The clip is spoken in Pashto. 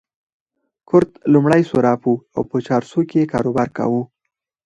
کرت لومړی صراف وو او په چارسو کې يې کاروبار کاوه.